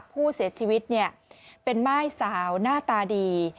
ผู้เสียชีวิตเนี่ยเป็นไม่สาวหน้าตาดี